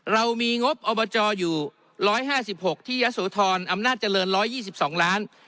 เรามีงบอบจอยู่๑๕๖ที่ยะโสธรอำนาจเจริญ๑๒๒ล้าน